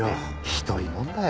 ひどいもんだよ。